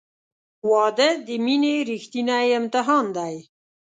• واده د مینې ریښتینی امتحان دی.